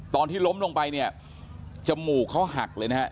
ตอนที่ล้มลงไปจมูกเขาหักเลยนะครับ